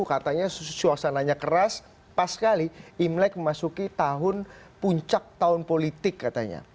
katanya suasananya keras pas sekali imlek memasuki tahun puncak tahun politik katanya